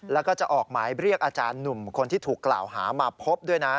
แล้วก็จะออกหมายเรียกอาจารย์หนุ่มคนที่ถูกกล่าวหามาพบด้วยนะ